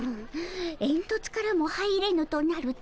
えんとつからも入れぬとなると。